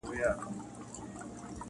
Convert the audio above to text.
درد د انسان برخه ګرځي تل-